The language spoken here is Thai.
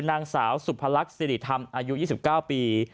นางสาวสุพรรคศิริธรรมอายุ๒๙ปี